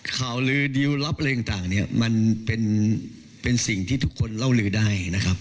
ข่าวลือดิวลลับอะไรต่างเนี่ยมันเป็นสิ่งที่ทุกคนเล่าลือได้นะครับ